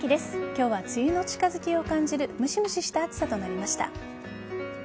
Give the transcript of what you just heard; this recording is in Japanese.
今日は梅雨の近づきを感じるむしむしした暑さとなりました。